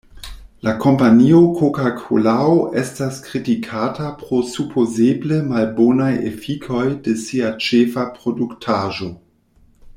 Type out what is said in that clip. La kompanio Koka-Kolao estas kritikata pro supozeble malbonaj efikoj de sia ĉefa produktaĵo.